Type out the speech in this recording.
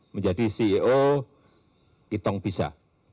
menjadi ceo kitong bisa